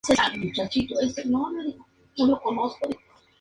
Se encuentra en la cuenca del río Ucayali, en Perú.